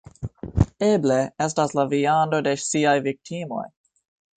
Eble, estas la viando de siaj viktimoj